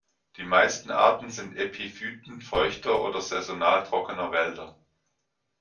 Die meisten Arten sind Epiphyten feuchter oder saisonal trockener Wälder.